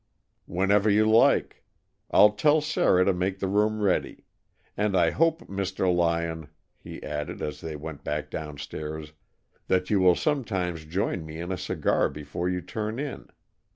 "Whenever you like. I'll tell Sarah to make the room ready. And I hope, Mr. Lyon," he added, as they went back downstairs, "that you will sometimes join me in a cigar before you turn in.